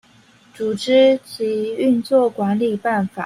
組織及運作管理辦法